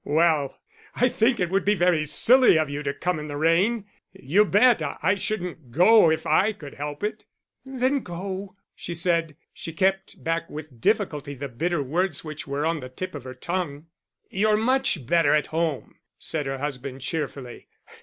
"Well, I think it would be very silly of you to come in the rain. You bet, I shouldn't go if I could help it." "Then go," she said. She kept back with difficulty the bitter words which were on the tip of her tongue. "You're much better at home," said her husband, cheerfully.